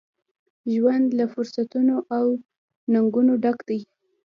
ژوند له فرصتونو ، او ننګونو ډک دی.